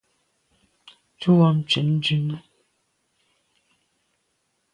Tu am tshwèt ndume.